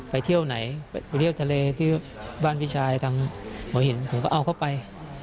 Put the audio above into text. ไปเที่ยวไหนไปเที่ยวทะเลซื้อบ้านพี่ชายทำหัวหินผมก็เอาเข้าไป